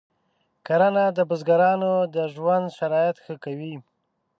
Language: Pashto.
کرنه د بزګرانو د ژوند شرایط ښه کوي.